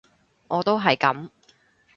我都係噉